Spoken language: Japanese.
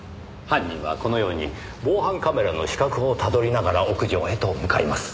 犯人はこのように防犯カメラの死角をたどりながら屋上へと向かいます。